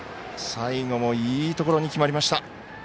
最後もいいところに決まりました。